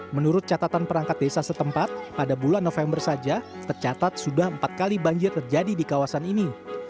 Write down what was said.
menurut catatan perangkat desa setempat pada bulan november saja tercatat sudah empat kali banjir terjadi di kawasan ini